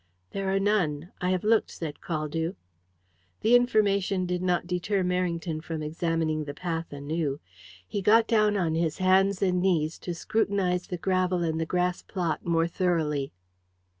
"There are none. I have looked," said Caldew. The information did not deter Merrington from examining the path anew. He got down on his hands and knees to scrutinize the gravel and the grass plot more thoroughly.